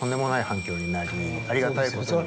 ありがたいことに。